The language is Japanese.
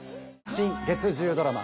新月１０ドラマ